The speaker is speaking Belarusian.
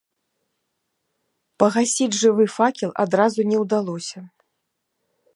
Пагасіць жывы факел адразу не ўдалося.